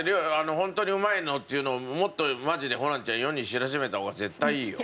ホントにうまいのっていうのをもっとマジでホランちゃん世に知らしめた方が絶対いいよ。